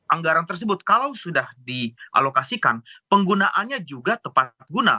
anggaran tersebut kalau sudah dialokasikan penggunaannya juga tepat guna